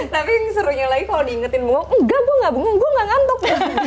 tapi yang serunya lagi kalau diingetin mongok enggak gue nggak bengong gue nggak ngantuk